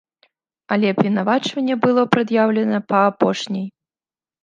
Але абвінавачванне было прад'яўлена па апошняй.